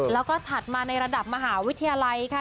แล้วก็ถัดมาในระดับมหาวิทยาลัยค่ะ